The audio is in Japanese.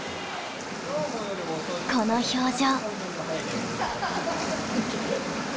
この表情。